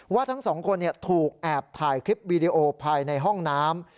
ว่าทั้งสองคนถูกแอบถ่ายคลิปวีดีโอภายในห้องน้ำ